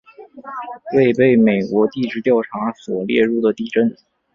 未被美国地质调查所列入的地震